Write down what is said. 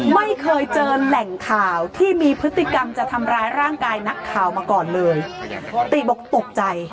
ไม่เคยเจอแหล่งข่าวที่มีพฤติกรรมจะทำร้ายร่างกายนักข่าวมาก่อนเลยติบอกตกใจ